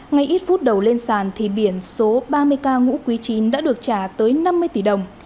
ngay ít phút đầu lên sàn thì biển số ba mươi ca ngũ quý chín đã được trả tới năm mươi tỷ đồng